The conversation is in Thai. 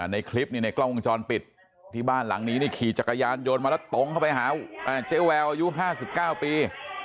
ในคลิปนี้ในกล้องวงจรปิดที่บ้านหลังนี้นี่ขี่จักรยานยนต์มาแล้วตรงเข้าไปหาเจ๊แววอายุ๕๙ปี